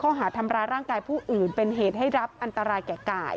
หาทำร้ายร่างกายผู้อื่นเป็นเหตุให้รับอันตรายแก่กาย